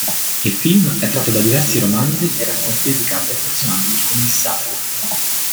Il film è tratto da diversi romanzi e racconti dedicati al personaggio del commissario.